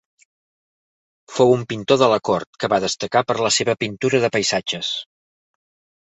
Fou un pintor de la cort que va destacar per la seva pintura de paisatges.